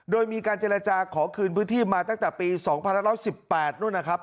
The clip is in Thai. โดยมีการเจรจาขอคืนพื้นที่มาตั้งแต่ปี๒๑๑๘นู่นนะครับ